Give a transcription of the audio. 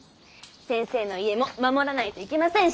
先生の家も守らないといけませんし！